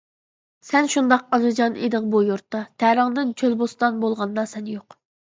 سەن شۇنداق ئانىجان ئىدىڭ بۇ يۇرتتا، تەرىڭدىن چۆل بوستان بولغاندا سەن يوق.